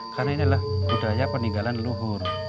karena inilah budaya peninggalan leluhur